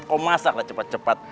kok masaklah cepat cepat